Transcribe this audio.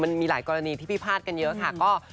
มันมีหลายกรณีที่พิพาทกันเยอะค่ะ